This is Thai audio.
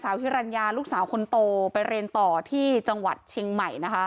ฮิรัญญาลูกสาวคนโตไปเรียนต่อที่จังหวัดเชียงใหม่นะคะ